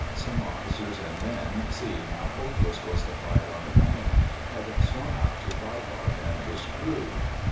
Some officers and men, seeing how hopeless was the fight on the bank, had swum out to Vibart and his crew.